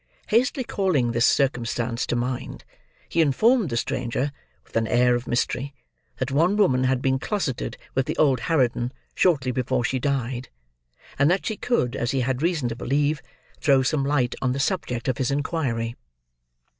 Hastily calling this circumstance to mind, he informed the stranger, with an air of mystery, that one woman had been closeted with the old harridan shortly before she died; and that she could, as he had reason to believe, throw some light on the subject of his inquiry.